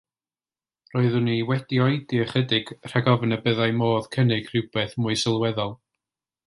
Roeddwn i wedi oedi ychydig rhag ofn y byddai modd cynnig rhywbeth mwy sylweddol.